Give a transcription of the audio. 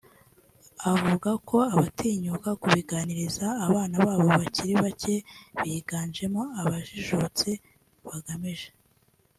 avuga ko abatinyuka kubiganiriza abana babo bakiri bake biganjemo abajijutse bagamije